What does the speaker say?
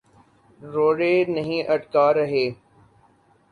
روڑے نہیں اٹکا رہے۔